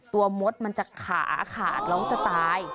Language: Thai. มดมันจะขาขาดแล้วจะตาย